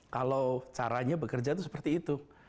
kalau caranya bekerja itu seperti itu